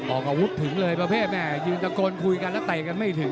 ออกอาวุธถึงเลยประเภทแม่ยืนตะโกนคุยกันแล้วเตะกันไม่ถึง